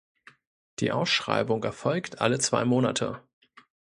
Die Ausschreibung erfolgt alle zwei Monate.